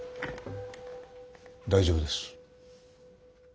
大丈夫です。